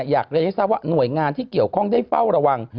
อยากเรียนให้ทราบว่าหน่วยงานที่เกี่ยวข้องได้เฝ้าระวัง